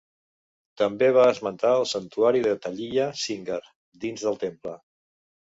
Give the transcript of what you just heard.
També va esmentar el santuari de Telliya Singar dins del temple.